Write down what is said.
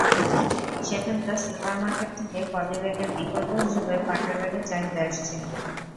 সেখানকার supermarket থেকে পলিব্যাগের বিকল্প হিসেবে পাটের ব্যাগের চাহিদা আসছে।